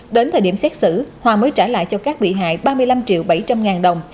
đến thời điểm xét xử hòa mới trả lại cho các bị hại ba mươi năm triệu bảy trăm linh ngàn đồng